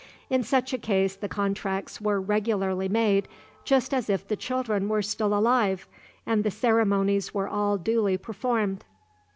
In such a case the contracts were regularly made, just as if the children were still alive, and the ceremonies were all duly performed.